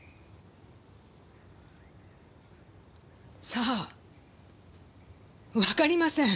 さあわかりません。